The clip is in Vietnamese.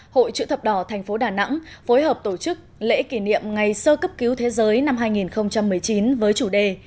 hội chữ thập đỏ tp đà nẵng phối hợp tổ chức lễ kỷ niệm ngày sơ cấp cứu thế giới năm hai nghìn một mươi chín với chủ đề